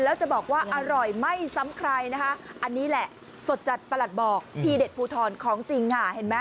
แล้วจะบอกว่าอร่อยไม่ซ้ำใครนะคะอันนี้แหละสดจัดประหลัดบอกทีเด็ดภูทรของจริงค่ะเห็นไหม